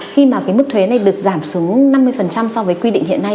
khi mà cái mức thuế này được giảm xuống năm mươi so với quy định hiện nay